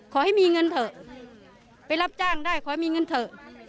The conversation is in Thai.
ขอให้มีเงินเถอะไปรับจ้างได้ขอให้มีเงินเถอะ